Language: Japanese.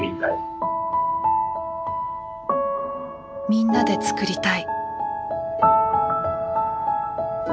「みんなで創りたい」。